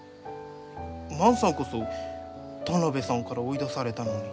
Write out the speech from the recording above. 万さんこそ田邊さんから追い出されたのに。